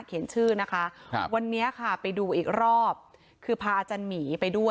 เขียนชื่อนะคะครับวันนี้ค่ะไปดูอีกรอบคือพาอาจารย์หมีไปด้วย